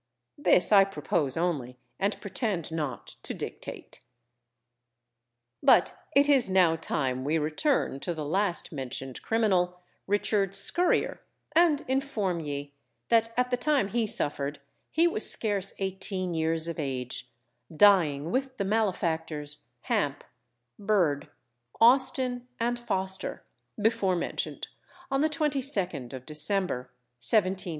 This I propose only, and pretend not to dictate. But it is now time we return to the last mentioned criminal, Richard Scurrier, and inform ye that at the time he suffered, he was scarce eighteen years of age, dying with the malefactors Hamp, Bird, Austin and Foster, before mentioned, on the 22nd of December, 1725, at Tyburn.